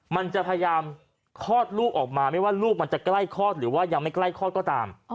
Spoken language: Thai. มันจะพยายามคลอดลูกออกมาไม่ว่าลูกมันจะใกล้คลอดหรือว่ายังไม่ใกล้คลอดก็ตาม